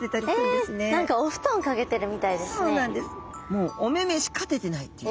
もうおめめしか出てないっていう。